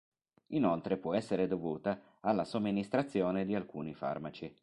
Inoltre può essere dovuta alla somministrazione di alcuni farmaci.